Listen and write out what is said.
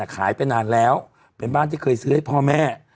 ขายไปนานแล้วเป็นบ้านที่เคยซื้อให้พ่อแม่